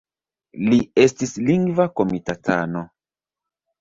Li estis Lingva Komitatano.